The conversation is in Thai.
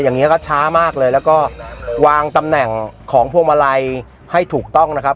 อย่างนี้ก็ช้ามากเลยแล้วก็วางตำแหน่งของพวงมาลัยให้ถูกต้องนะครับ